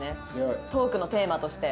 トークのテーマとして。